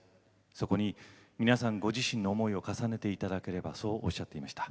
特に皆さんのご自身の思いを重ねていただければとおっしゃっていました。